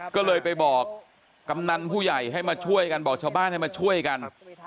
ก็เลยไปบอกกำนันผู้ใหญ่ให้มาช่วยกันบอกชาวบ้านให้มาช่วยกัน